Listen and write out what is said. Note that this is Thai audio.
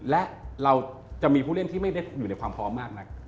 และเราจะมีผู้เล่นที่ไม่ได้อยู่ในความพร้อมมากนัก